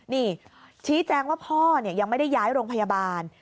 นี่ชี้แจงว่าพ่อยังไม่ได้ย้ายโรงพยาบาล